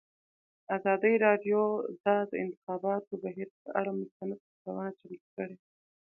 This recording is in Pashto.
ازادي راډیو د د انتخاباتو بهیر پر اړه مستند خپرونه چمتو کړې.